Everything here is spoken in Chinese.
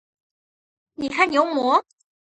你看牛魔？